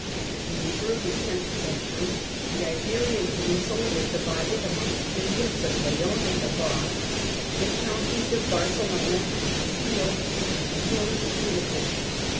In the early tenth century the Iberian peninsula was divided among the kingdoms of Leon and Navarre, the counties of Barcelona and Castile and the Moorish caliphate.